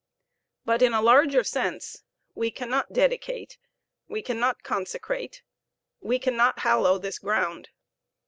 But, in a larger sense, we cannot dedicate. . .we cannot consecrate. .. we cannot hallow this ground.